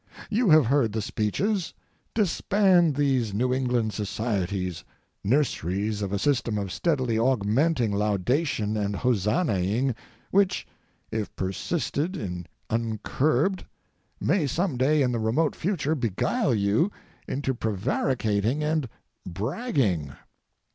You have heard the speeches. Disband these New England societies—nurseries of a system of steadily augmenting laudation and hosannaing, which; if persisted in uncurbed, may some day in the remote future beguile you into prevaricating and bragging.